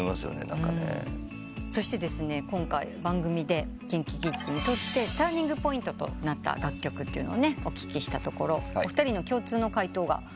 そして今回番組でＫｉｎＫｉＫｉｄｓにとってターニングポイントとなった楽曲をお聞きしたところお二人の共通の回答がありまして。